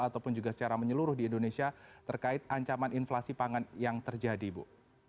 ataupun juga secara menyeluruh di indonesia terkait ancaman inflasi pangan yang terjadi ibu